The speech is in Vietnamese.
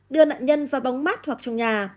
đưa nạn nhân vào bóng mát hoặc trong nhà